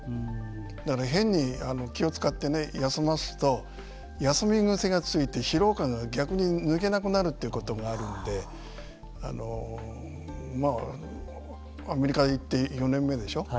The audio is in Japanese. だから、変に気を使って休ますと休み癖がついて疲労感が逆に抜けなくなるということがあるんでアメリカに行って４年目でしょう。